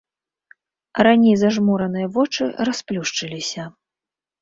Раней зажмураныя вочы расплюшчыліся.